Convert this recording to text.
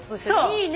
いいね。